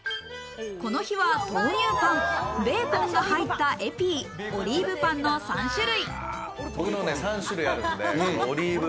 この日は豆乳パン、ベーコンが入ったエピィ、オリーブパンの３種類。